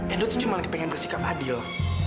edo tuh cuma pengen bersikap adil